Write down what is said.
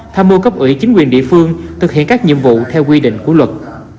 tham mưu cấp ủy chính quyền địa phương thực hiện các nhiệm vụ theo quy định của luật